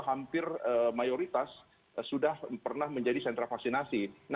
hampir mayoritas sudah pernah menjadi sentra vaksinasi